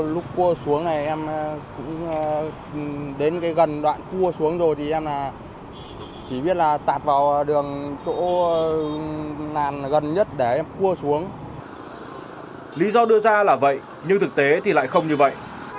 lý do đưa ra là vậy nhưng thực tế thì lại không như vậy